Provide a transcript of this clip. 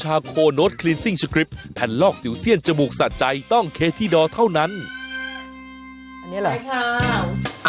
เท่านันนี่เหรอใช่ค่ะอันนี้แหละว่าจะล้อคสิวเชี้ยนอ่ะ